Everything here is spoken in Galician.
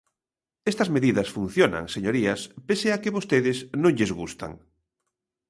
Estas medidas funcionan, señorías, pese a que vostedes non lles gustan.